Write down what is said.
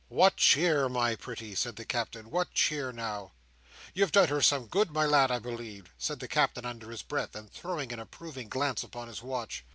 "What cheer, my pretty?" said the Captain. "What cheer now? You've done her some good, my lad, I believe," said the Captain, under his breath, and throwing an approving glance upon his watch.